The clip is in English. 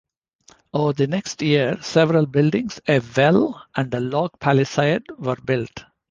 Over the next year, several buildings, a well, and a log palisade were built.